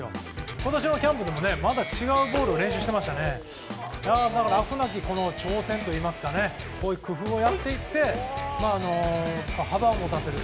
今年のキャンプでも違うボールを練習していてあくなき挑戦といいますかねこういう工夫をやっていって幅を持たせる。